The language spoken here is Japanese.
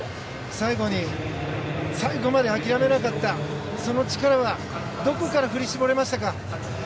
最後に最後まで諦めなかったその力はどこから振り絞れましたか？